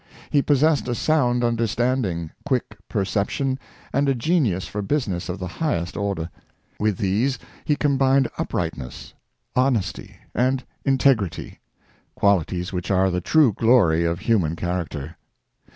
He possessed a sound understanding, quick perception, and a genius for business of the highest order. With these he combined uprightness, honesty and integrity — qual ities which are the true glory of human character.